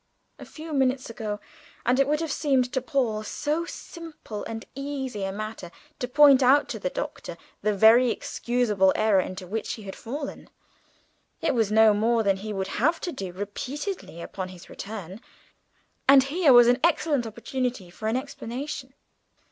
A few minutes ago, and it would have seemed to Paul so simple and easy a matter to point out to the Doctor the very excusable error into which he had fallen. It was no more than he would have to do repeatedly upon his return, and here was an excellent opportunity for an explanation.